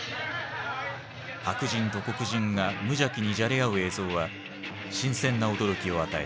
白人と黒人が無邪気にじゃれ合う映像は新鮮な驚きを与えた。